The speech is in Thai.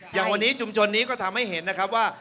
อย่างวันนี้ชุมชนนี้ก็ทำให้เห็นนะครับว่า